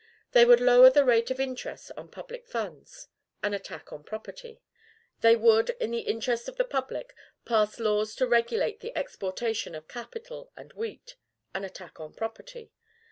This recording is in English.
They would lower the rate of interest on public funds, an attack on property. They would, in the interest of the public, pass laws to regulate the exportation of cattle and wheat, an attack on property.